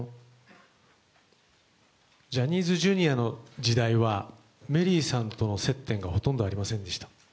ジャニーズＪｒ．の時代はメリーさんとの接点がほとんどありませんでした。